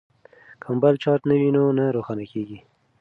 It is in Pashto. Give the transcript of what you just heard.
که موبایل چارج نه وي نو نه روښانه کیږي.